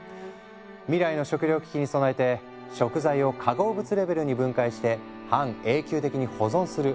未来の食糧危機に備えて食材を化合物レベルに分解して半永久的に保存する。